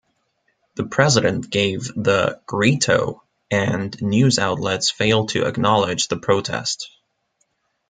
The president gave the "Grito", and news outlets failed to acknowledge the protest.